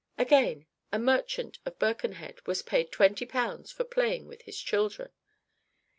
Again, a merchant of Birkenhead was paid 20 pounds for playing with his children!"